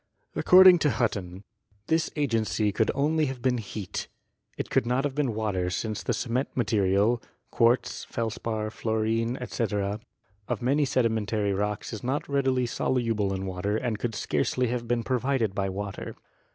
According to Hutton, this agency could only have been heat; it could not have been water, since the cement material (quartz, felspar, fluorine, etc.) of many sedimen WERNER AND HUTTON 6r tary rocks is not readily soluble in water and could scarcely have been provided by water.